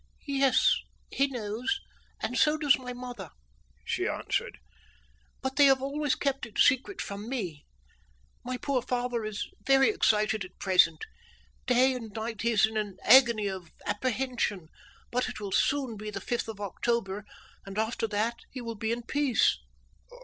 "Yes, he knows, and so does my mother," she answered, "but they have always kept it secret from me. My poor father is very excited at present. Day and night he is in an agony of apprehension, but it will soon be the fifth of October, and after that he will be at peace."